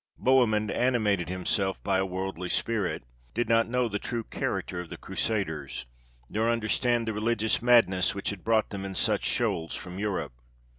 Bohemund, animated himself by a worldly spirit, did not know the true character of the Crusaders, nor understand the religious madness which had brought them in such shoals from Europe.